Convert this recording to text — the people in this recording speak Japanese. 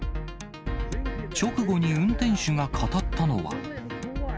直後に運転手が語ったのは。